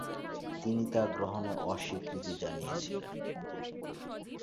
তিনি তা গ্রহণে অস্বীকৃতি জানিয়েছিলেন।